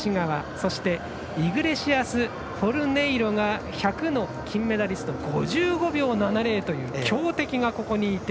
そしてイグレシアスフォルネイロが１００の金メダリスト５５秒７０という強敵がここにいて。